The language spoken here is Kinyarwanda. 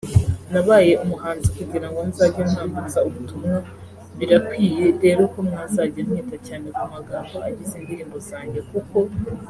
“Nabaye umuhanzi kugirango nzajye ntambutsa ubutumwa birakwiye rero ko mwazajya mwita cyane ku magambo agize indirimbo zanjye kuko